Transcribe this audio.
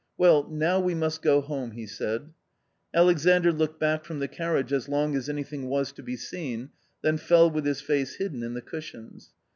" Well, now we must go home," he said. Alexandr looked back from the carriage as long as any thing was to be seen, then fell with his face hidden in the cushions.